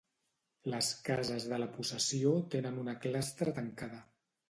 Les cases de la possessió tenen una clastra tancada.